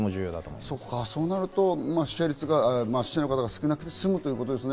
そうなると死者の方が少なくて済むということですね。